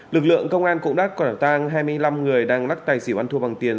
lực lượng công an cũng đã quả tang hai mươi năm người đang lắc tài xỉu ăn thua bằng tiền